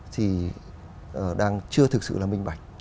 thì đang chưa thực sự là minh bạch